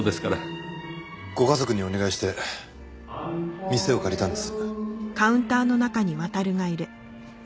ご家族にお願いして店を借りたんです。